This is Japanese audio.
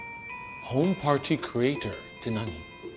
ホームパーティクリエイターって何？